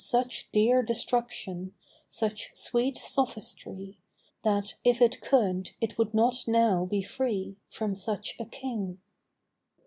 127 Such dear destruction, such sweet sophistry, That if it could it would not now be free From such a King.